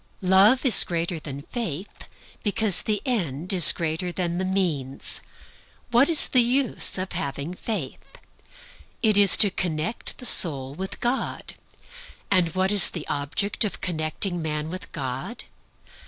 Love is greater than faith, because the end is greater than the means. What is the use of having faith? It is to connect the soul with God. And what is the object of connecting man with God?